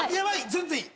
全然いい。